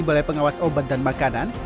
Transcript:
balai pengawas obat dan makanan